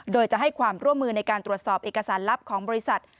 โดยจะให้ความร่วมมือในการตรวจสอบเอกสารลับของบริษัท